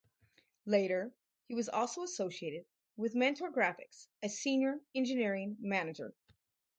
Later he was also associated with Mentor Graphics as Senior Engineering Manager.